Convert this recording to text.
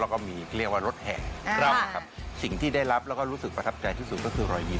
แล้วก็มีเขาเรียกว่ารถแห่ครับสิ่งที่ได้รับแล้วก็รู้สึกประทับใจที่สุดก็คือรอยยิ้ม